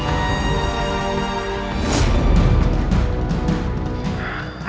sampai jumpa lagi